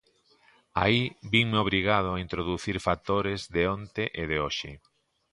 Aí vinme obrigado a introducir factores de onte e de hoxe.